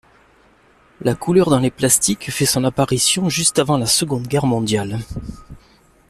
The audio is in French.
La couleur dans les plastiques fait son apparition juste avant la Seconde Guerre mondiale.